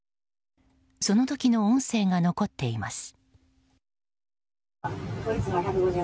その時の音声が残っています。